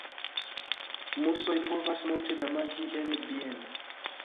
Musoj povas multe damaĝi en bieno.